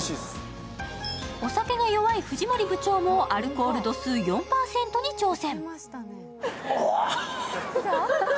お酒が弱い藤森部長もアルコール度数４％に挑戦。